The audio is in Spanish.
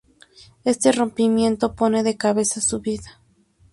Este rompimiento pone de cabeza su vida.